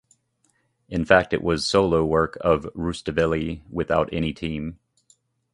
In fact it was solo work of Rustaveli without any team.